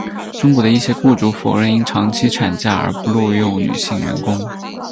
中国的一些雇主否认因长期产假而不录用女性员工。